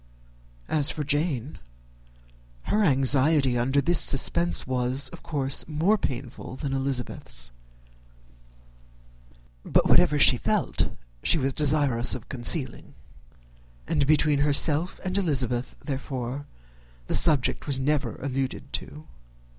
As for Jane, her anxiety under this suspense was, of course, more painful than Elizabeth's: but whatever she felt she was desirous of concealing; and between herself and Elizabeth, therefore, the subject was never alluded to.